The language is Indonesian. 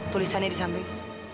tulisannya di samping